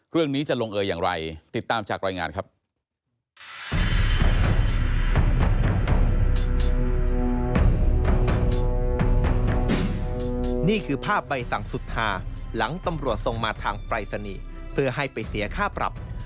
เรื่องนี้จะลงเอยอย่างไรติดตามจากรายงานครับ